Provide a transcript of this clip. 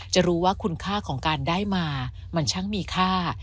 จะรู้ว่าคุณค่าของการได้มามันช่างมีค่า